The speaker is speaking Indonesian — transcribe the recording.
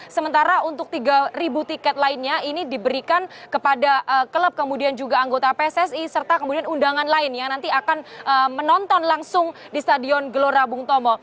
sementara untuk tiga tiket lainnya ini diberikan kepada klub kemudian juga anggota pssi serta kemudian undangan lain yang nanti akan menonton langsung di stadion gelora bung tomo